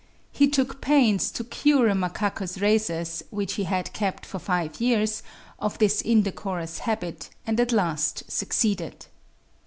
He took pains to cure a Macacus rhesus, which he had kept for five years, of this indecorous habit, and at last succeeded.